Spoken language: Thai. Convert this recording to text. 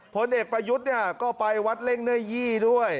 พลเอกประยุทธ์ก็ไปวัดเล่งเนื้อยี่ด้วย